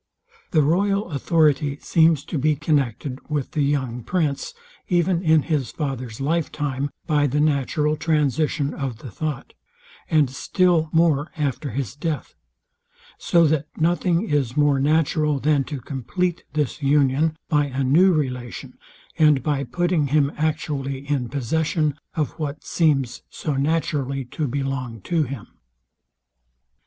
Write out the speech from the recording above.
The royal authority seems to be connected with the young prince even in his father's life time, by the natural transition of the thought; and still more after his death: So that nothing is more natural than to compleat this union by a new relation, and by putting him actually in possession of what seems so naturally to belong to him.